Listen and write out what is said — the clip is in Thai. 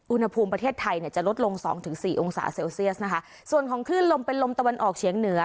อุณหภูมิประเทศไทยเนี่ยจะลดลงสองถึงสี่องศาเซลเซียสนะคะส่วนของคลื่นลมเป็นลมตะวันออกเฉียงเหนือ